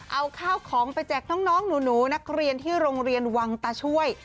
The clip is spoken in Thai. เอาข้าวของไปแจกน้องหนูนักเรียนที่โรงเรียนวังตาช่วย